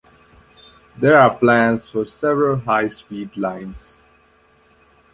There are plans for several high-speed lines.